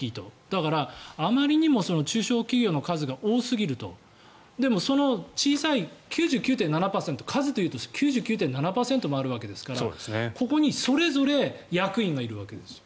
だから、あまりにも中小企業の数が多すぎるとでも、その小さい９９．７％数でいうと９９．７％もあるわけですからここにそれぞれ役員がいるわけです。